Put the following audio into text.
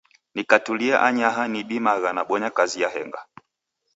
Nikatulia anyaha, nidimagha nabonya kazi yahenga.